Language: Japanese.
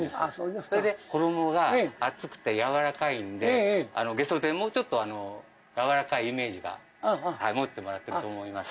それで衣が厚くてやわらかいんでげそ天もちょっとやわらかいイメージが持ってもらってると思います